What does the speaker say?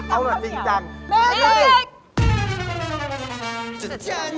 เอาแบบจริงจัง